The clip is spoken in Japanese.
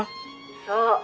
そう。